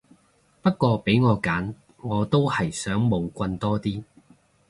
不過俾我揀我都係想冇棍多啲